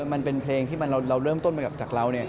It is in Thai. มันเป็นเพลงที่เราเริ่มต้นมาจากเรา